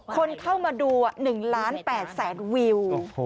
คนเข้ามาดู๑ล้าน๘แสนวิว